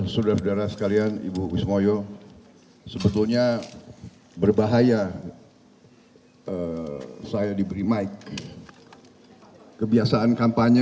sudah berada sekalian ibu kusmoyo sebetulnya berbahaya saya diberi mic kebiasaan kampanye